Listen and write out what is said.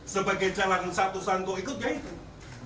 sebagai jalan satu satu ikut ya itu